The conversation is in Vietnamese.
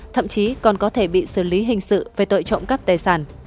thậm chí còn có thể bị xử lý hình sự về tội trộm cắp tài sản